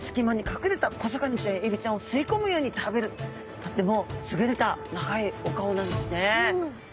とっても優れた長いお顔なんですね。